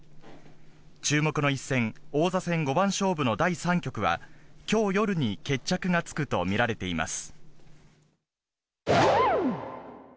注目の一戦、王座戦五番勝負の第３局は、きょう夜に決着がつくと見られています。